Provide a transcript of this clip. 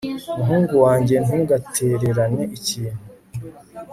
muhungu wanjye, ntugatererane ikintu